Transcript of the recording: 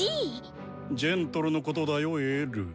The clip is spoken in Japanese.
「ジェントル」のことだよＬ。